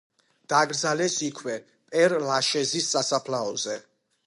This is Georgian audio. დაკრძალეს იქვე, პერ-ლაშეზის სასაფლაოზე.